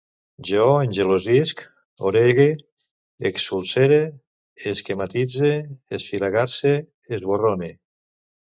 Jo engelosisc, erogue, exulcere, esquematitze, esfilagarse, esborrone